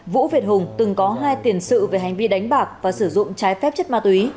vũ việt hùng từng có hai tiền sự về hành vi đánh bạc và sử dụng trái phép chất ma túy